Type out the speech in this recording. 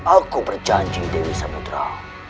aku berjanji dewi samudera